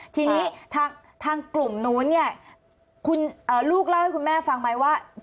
ทีนี้ทางกลุ่มนู้นเนี่ยคุณลูกเล่าให้คุณแม่ฟังไหมว่า